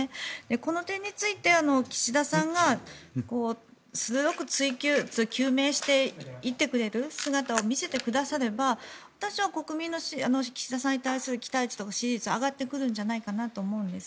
この点について岸田さんが鋭く追及究明していってくれる姿を見せてくだされば私は国民の岸田さんに対する期待値と支持率は上がってくるんじゃないかなと思うんです。